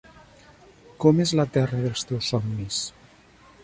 Com és la terra dels teus somnis?